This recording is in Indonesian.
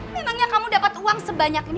memangnya kamu dapat uang sebanyak ini